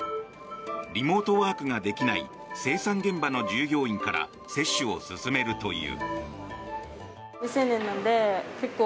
リモートワークができない生産現場の従業員から接種を進めるという。